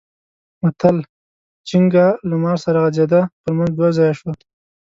متل؛ چينګه له مار سره غځېده؛ پر منځ دوه ځايه شوه.